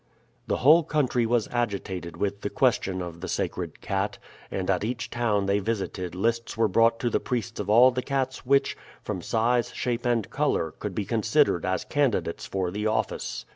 The whole country was agitated with the question of the sacred cat, and at each town they visited lists were brought to the priests of all the cats which, from size, shape, and color, could be considered as candidates for the office.